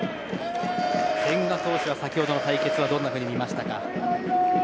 千賀投手は先ほどの対決はどんなふうに見ましたか？